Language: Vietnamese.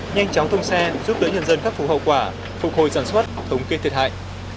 nhanh chóng thông xe giúp tới nhân dân khắc phục hậu quả phục hồi sản xuất thống kê thiệt hại